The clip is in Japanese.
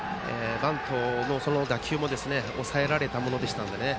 バントの打球も抑えられたものだったので。